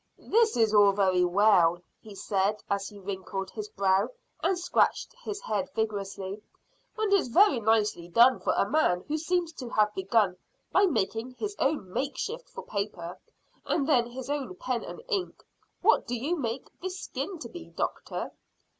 "This is all very well," he said, as he wrinkled his brow and scratched his head viciously, "and it's very nicely done for a man who seems to have begun by making his own makeshift for paper, and then his own pen and ink. What do you make this skin to be, doctor?"